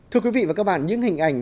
thưa quý vị và các bạn những hình ảnh